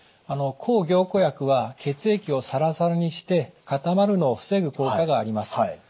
抗凝固薬は血液をサラサラにして固まるのを防ぐ効果があります。